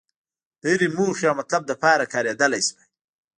د هرې موخې او مطلب لپاره کارېدلای شوای.